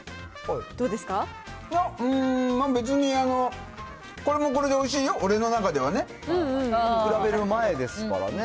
いや、うーん、別に、これもこれでおいしいよ、俺の中ではね比べる前ですからね。